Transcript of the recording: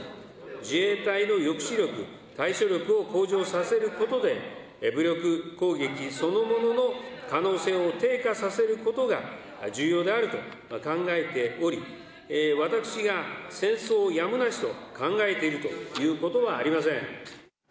自衛隊の抑止力、対処力を向上させることで、武力攻撃そのものの可能性を低下させることが重要であると考えており、私が戦争をやむなしと考えているということはありません。